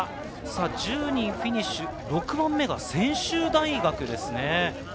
１０人フィニッシュ、６番目は専修大学です。